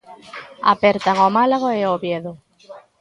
Apertan o Málaga e o Oviedo.